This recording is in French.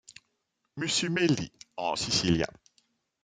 Mussumeli en sicilien.